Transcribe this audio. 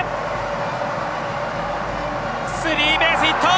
スリーベースヒット！